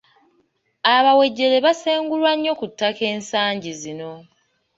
Abawejjere basengulwa nnyo ku ttaka ensangi zino.